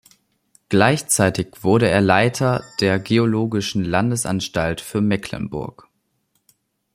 Gleichzeitig wurde er Leiter der "Geologischen Landesanstalt für Mecklenburg".